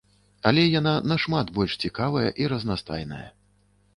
Але яна нашмат больш цікавая і разнастайная.